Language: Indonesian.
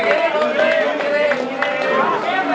kiri kiri pak menteri kiri